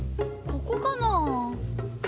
ここかなぁ？